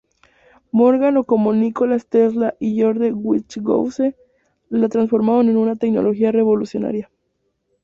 Morgan o como Nikola Tesla y George Westinghouse, la transformaron en una tecnología revolucionaria.